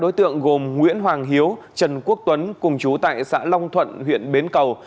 bốn đối tượng gồm nguyễn hoàng hiếu trần quốc tuấn cùng chú tại xã long thuận huyện bến cầu